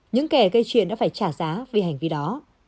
những kẻ gây chuyện đã phải trả giá vì hành vi đó